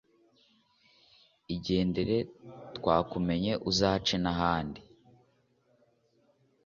Igendere twakumenye uzace nahandi